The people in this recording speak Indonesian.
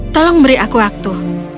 tolong beri aku waktu